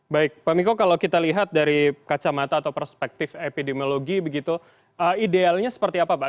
baik pak miko kalau kita lihat dari kacamata atau perspektif epidemiologi begitu idealnya seperti apa pak